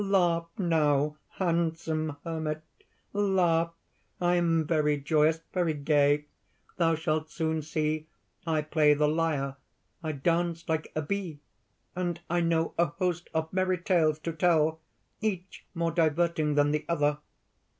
_) "Laugh now, handsome hermit! laugh! I am very joyous, very gay: thou shalt soon see! I play the lyre; I dance like a bee; and I know a host of merry tales to tell, each more diverting than the other.